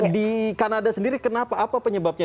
di kanada sendiri kenapa apa penyebabnya